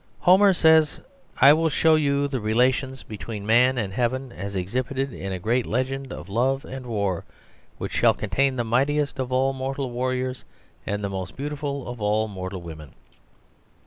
Homer says, "I will show you the relations between man and heaven as exhibited in a great legend of love and war, which shall contain the mightiest of all mortal warriors, and the most beautiful of all mortal women."